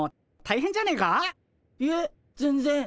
いえ全然。